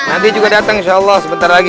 nanti juga datang insya allah sebentar lagi